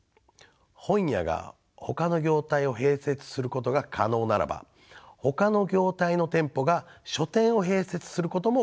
本屋がほかの業態を併設することが可能ならばほかの業態の店舗が書店を併設することも可能だからです。